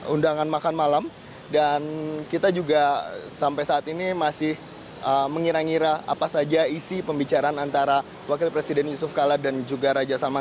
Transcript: undangan makan malam dan kita juga sampai saat ini masih mengira ngira apa saja isi pembicaraan antara wakil presiden yusuf kala dan juga raja salman